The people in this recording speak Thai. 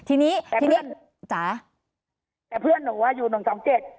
ทีนี้พี่เลื่อนจ๋าแต่เพื่อนหนูอ่ะอยู่หนึ่งสองเจ็ด